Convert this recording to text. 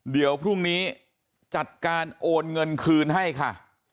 เดี๋ยวพรุ่งนี้จัดการโอนเงินคืนให้ค่ะ